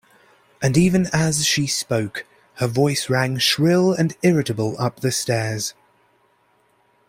And even as she spoke her voice rang shrill and irritable up the stairs.